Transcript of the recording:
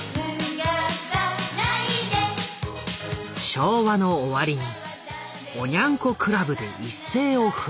昭和の終わりにおニャン子クラブで一世を風靡。